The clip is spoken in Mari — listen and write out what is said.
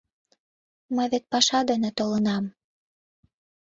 Мый вет паша дене толынам.